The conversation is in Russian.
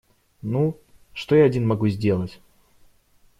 Ну, что я один могу сделать?